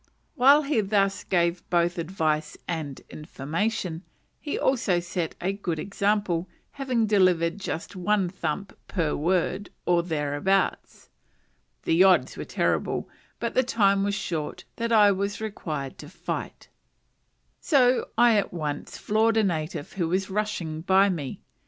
While he thus gave both advice and information, he also set a good example, having delivered just one thump per word, or thereabouts. The odds were terrible, but the time was short that I was required to fight; so I at once floored a native who was rushing by me.